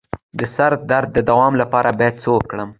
د سر درد د دوام لپاره باید څه وکړم؟